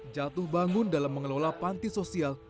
jatuh bangun dalam mengelola panti sosial